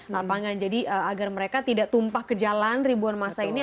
lapangan jadi agar mereka tidak tumpah ke jalan ribuan masa ini